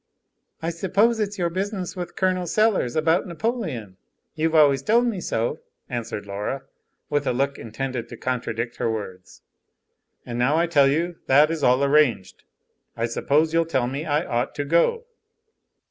"I suppose it's your business with Col. Sellers about Napoleon, you've always told me so," answered Laura, with a look intended to contradict her words. "And now I tell you that is all arranged, I suppose you'll tell me I ought to go?"